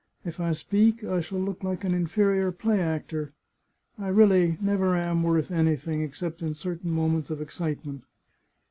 If I speak, I shall look like an inferior play actor. I really never am worth anything, ex cept in certain moments of excitement."